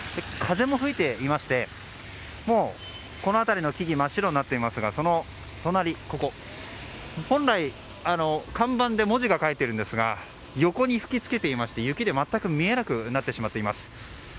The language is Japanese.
風も吹いていましてこの辺りの木々真っ白になっていますがその隣、本来、看板で文字が書いてあるんですが横に吹き付けていまして雪で全く見えなくなっています。